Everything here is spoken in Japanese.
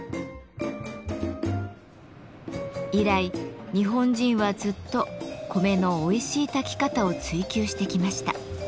以来日本人はずっと米のおいしい炊き方を追求してきました。